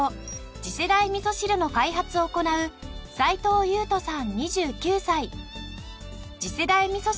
次世代味噌汁の開発を行う斉藤悠斗さん２９歳。